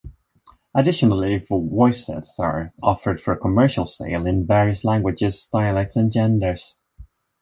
Additionally, voice sets are offered for commercial sale in various languages, dialects, and genders.